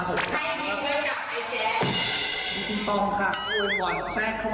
ให้ดีเมื่อกับไอ้แจ็ค